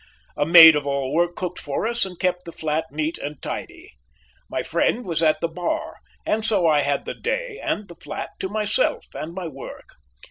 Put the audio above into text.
A maid of all work cooked for us and kept the flat neat and tidy. My friend was at the Bar, and so I had the day (and the flat) to myself and my work.